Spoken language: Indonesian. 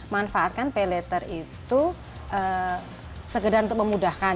manfaatkan pay later itu segedar untuk memudahkan